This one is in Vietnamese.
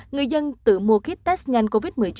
người dân tự mua kit test nhanh covid một mươi chín